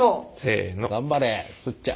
頑張れすっちゃん。